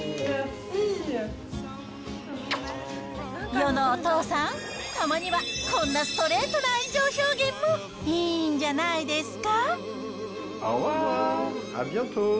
世のお父さん、たまにはこんなストレートな愛情表現もいいんじゃないですか。